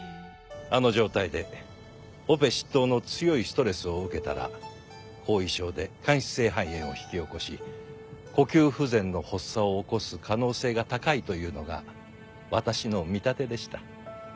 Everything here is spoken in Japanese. あの状態でオペ執刀の強いストレスを受けたら後遺症で間質性肺炎を引き起こし呼吸不全の発作を起こす可能性が高いというのが私の見立てでした。